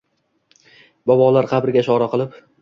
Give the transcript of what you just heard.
Bobolar qabriga ishora qilib.